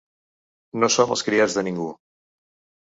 No som els criats de ningú.